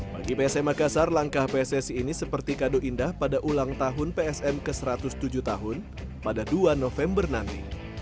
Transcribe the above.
bagi psm makassar langkah pssi ini seperti kado indah pada ulang tahun psm ke satu ratus tujuh tahun pada dua november nanti